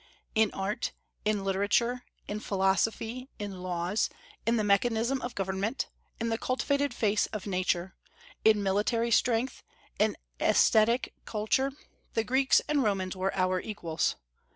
In art, in literature, in philosophy, in laws, in the mechanism of government, in the cultivated face of Nature, in military strength, in aesthetic culture, the Greeks and Romans were our equals.